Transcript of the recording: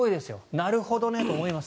なるほどねと思います。